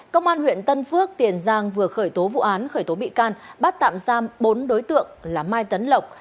công an huyện tân phước tiền giang vừa khởi tố vụ án khởi tố bị can bắt tạm giam bốn đối tượng là mai tấn lộc